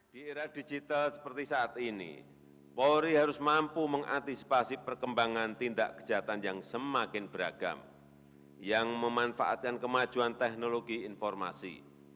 di era digital seperti saat ini polri harus mampu mengantisipasi perkembangan tindak kejahatan yang semakin beragam yang memanfaatkan kemajuan teknologi informasi